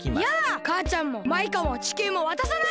かあちゃんもマイカも地球もわたさない！